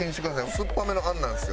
酸っぱめの餡なんですよ。